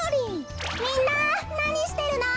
みんななにしてるの？